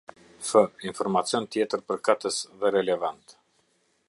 F. informacion tjetër përkatës dhe relevant.